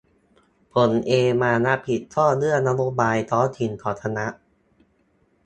ผมเองมารับผิดชอบเรื่องนโยบายท้องถิ่นของคณะ